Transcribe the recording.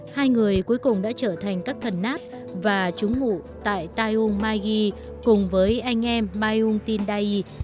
hai người cuối cùng đã trở thành các thần nát và trúng ngủ tại taiung magi cùng với anh em mai yung tindai